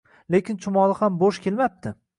Lekin chumoli ham bo’sh kelmabdi